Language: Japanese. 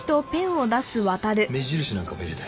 目印なんかも入れて。